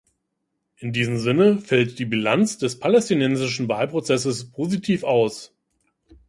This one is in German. In diesem Sinne fällt die Bilanz des palästinensischen Wahlprozesses positiv aus.